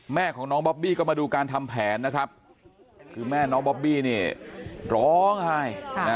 แม่ของน้องบอบบี้ก็มาดูการทำแผนนะครับคือแม่น้องบอบบี้เนี่ยร้องไห้